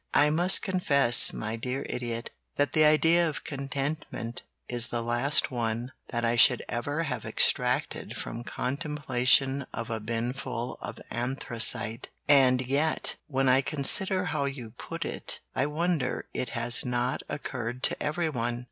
"I must confess, my dear Idiot, that the idea of contentment is the last one that I should ever have extracted from contemplation of a binful of anthracite, and yet when I consider how you put it I wonder it has not occurred to every one.